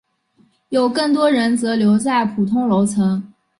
有更多人则留在普通楼层。